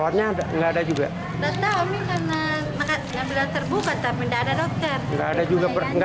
tidak ada juga pelayanan ya